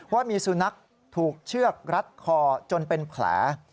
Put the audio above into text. ว่ามีสุนัขถูกเชือกรัดคอจนเป็นแผล